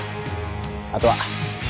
あとは。